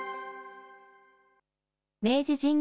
明治神宮